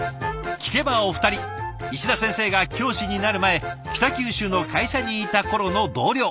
聞けばお二人石田先生が教師になる前北九州の会社にいた頃の同僚。